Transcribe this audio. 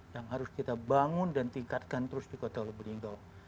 yang harus kita bangun dan tingkatkan terus di kota lubuk linggau